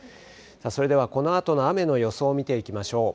それでは、このあとの雨の予想を見ていきましょう。